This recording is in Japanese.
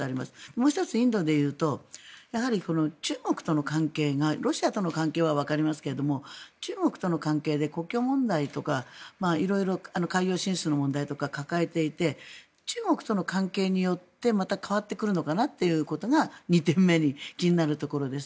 もう１つ、インドでいうとやはり中国との関係がロシアとの関係はわかりますが中国との関係で国境問題とか色々海洋進出の問題とか抱えていて中国との関係によってまた変わってくるのかなということが２点目に気になるところです。